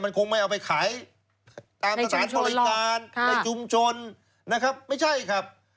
คงไม่เอาไปขายตามสถานบริการในชุมชนนะครับไม่ใช่ครับ